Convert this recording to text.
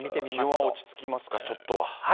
気温は落ち着きますか、ちょっとは。